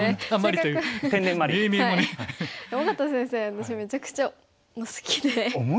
私めちゃくちゃ好きで。